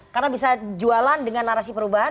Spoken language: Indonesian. karena bisa jualan dengan narasi perubahan